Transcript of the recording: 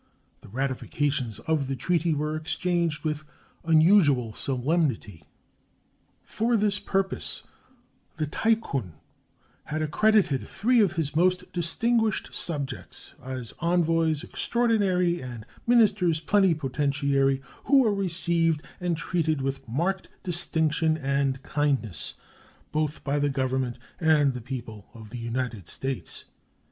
The ratifications of the treaty were exchanged with unusual solemnity. For this purpose the Tycoon had accredited three of his most distinguished subjects as envoys extraordinary and ministers plenipotentiary, who were received and treated with marked distinction and kindness, both by the Government and people of the United States.